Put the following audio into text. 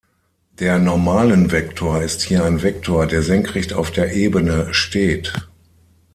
Der Normalenvektor ist hier ein Vektor, der senkrecht auf der Ebene steht.